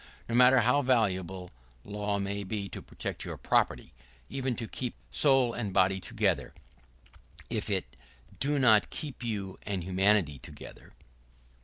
No matter how valuable law may be to protect your property, even to keep soul and body together, if it do not keep you and humanity together.